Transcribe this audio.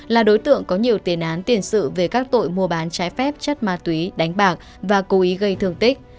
là đối tượng có nhiều tiền án tiền sự về các tội mua bán trái phép chất ma túy đánh bạc và cố ý gây thương tích